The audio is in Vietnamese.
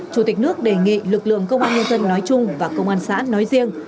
chủ tịch nước đề nghị lực lượng công an nhân dân nói chung và công an xã nói riêng